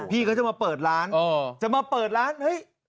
พี่เขาจะมาเปิดร้านจะมาเปิดร้านเฮ้ย